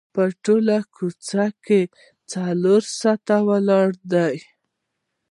په ټوله کوڅه کې څلور ستنې ولاړې دي.